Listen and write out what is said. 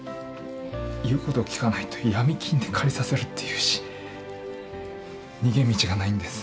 言うことを聞かないとヤミ金で借りさせるって言うし逃げ道がないんです